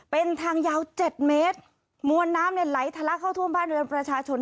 เป็นทางยาว๗เมตรมวลน้ำในไหลทะละเข้าทั่วบ้านโดยประชาชน